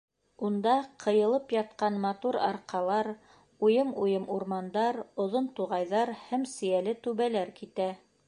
Унда ҡыйылып ятҡан матур арҡалар, уйым-уйым урмандар, оҙон туғайҙар һәм сейәле түбәләр китә.